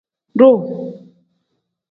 Duu.